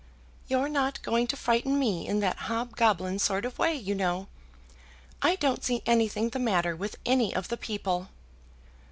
"You're not going to frighten me in that hobgoblin sort of way, you know. I don't see anything the matter with any of the people."